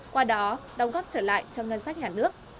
qua đó đóng góp trở lại cho ngân sách nhà nước